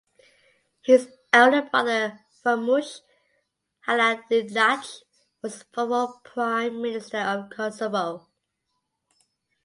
His elder brother Ramush Haradinaj was former Prime Minister of Kosovo.